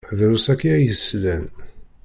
Drus akya i yeslan.